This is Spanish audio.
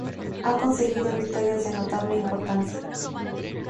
Ha conseguido victorias de notable importancia.